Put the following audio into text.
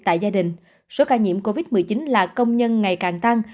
tại gia đình số ca nhiễm covid một mươi chín là công nhân ngày càng tăng